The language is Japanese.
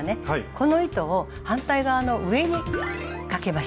この糸を反対側の上にかけましょう。